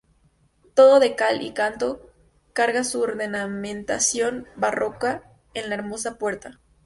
Todo de cal y canto, carga su ornamentación barroca en la hermosa puerta.